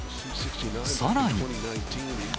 さらに。